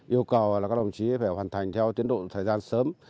yêu cầu là các đồng chí phải hoàn thành theo tiến độ thời gian sớm